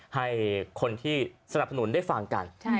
ให้คนที่สนับสนุนได้ฟังกัน